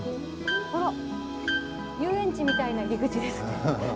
あっ遊園地みたいな入り口ですね。